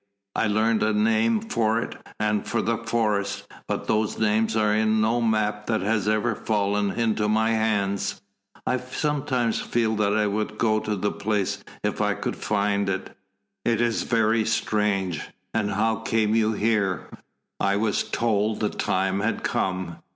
I learned a name for it and for the forest, but those names are in no map that has ever fallen into my hands. I sometimes feel that I would go to the place if I could find it." "It is very strange. And how came you here?" "I was told the time had come.